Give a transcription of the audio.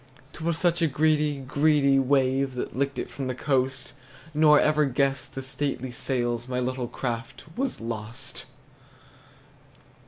'T was such a greedy, greedy wave That licked it from the coast; Nor ever guessed the stately sails My little craft was lost!